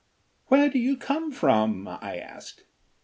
"Where do you come from?" I asked.